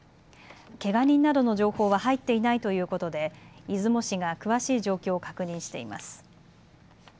けが人などの情報は入っていないということで出雲市が詳しい状況を確認しています。